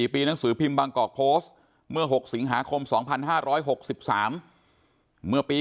ปีหนังสือพิมพ์บางกอกโพสต์เมื่อ๖สิงหาคม๒๕๖๓เมื่อปี๒๕